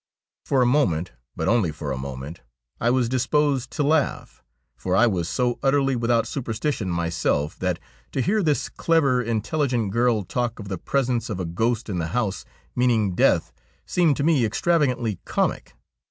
For a moment, but only for a moment, I was disposed to laugh, for I was so utterly without superstition myself, that to hear this clever, intelligent girl talk of the presence of a ghost in the house meaning death seemed to me extravagantly comic.